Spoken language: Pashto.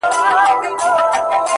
اوس لا د گرانښت څو ټكي پـاتــه دي،